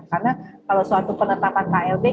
karena kalau suatu hal yang harus kita kaji juga dampaknya